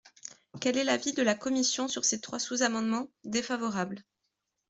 Quel est l’avis de la commission sur ces trois sous-amendements ? Défavorable.